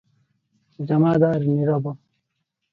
ଜମାଦାର ନୀରବ ।